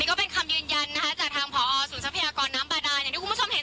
และก็ยังเข้าผจจิบการได้อย่างรับนิ่มต่อเนื่องเนี่ยก็เป็นคำยืนยันจากทางผอสุนทรัภิกรน้ำบาดาย